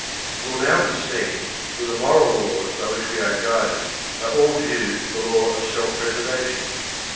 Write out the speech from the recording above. It will now be seen that the moral laws by which we are guided are all due to the law of self preservation.